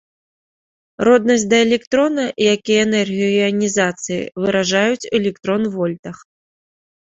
Роднасць да электрона, як і энергію іанізацыі, выражаюць у электрон-вольтах.